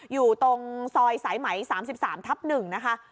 อยู่ตรงซอยสายไหม๓๓ทับ๑นะคะ